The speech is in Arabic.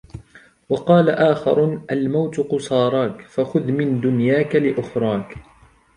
وَقَالَ آخَرُ الْمَوْتُ قُصَارَاك ، فَخُذْ مِنْ دُنْيَاك لِأُخْرَاك